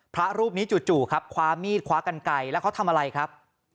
พระรูปนี้จู่ครับคว้ามีดคว้ากันไกลแล้วเขาทำอะไรครับ